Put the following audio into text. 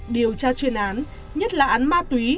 điều tra chuyên án nhất là án ma túy